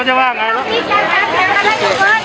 เก่งเก่ง